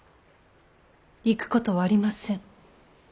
行くことはありません。